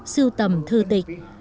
sưu tầm thư tịch